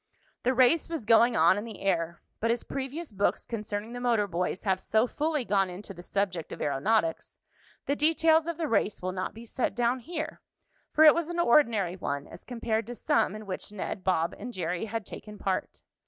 The race was going on in the air, but as previous books concerning the motor boys have so fully gone into the subject of aeronautics, the details of the race will not be set down here, for it was an ordinary one as compared to some in which Ned, Bob and Jerry had taken part.